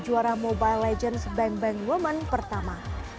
juara mobile legends bang bang woman pertama